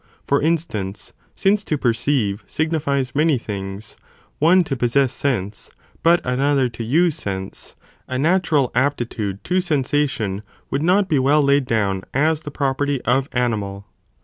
For instance, fisifeation since to perceive signifies many.things,f? one to + Cf. De Anim. possess sense, but another to use sense, a natural ἢ ὃ 1" aptitude tosensation would not be well laid down as the property of animal.